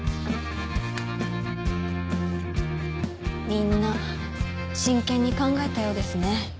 みんな真剣に考えたようですね。